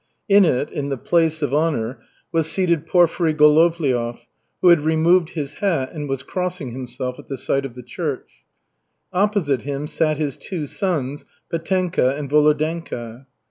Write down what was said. In it, in the place of honor, was seated Porfiry Golovliov, who had removed his hat and was crossing himself at the sight of the church. Opposite him sat his two sons, Petenka and Volodenka.